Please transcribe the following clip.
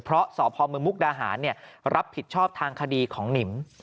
เพราะสพมมุกดาหารรับผิดชอบทางคดีของหนิม